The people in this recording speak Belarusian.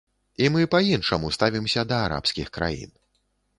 І мы па-іншаму ставімся да арабскіх краін.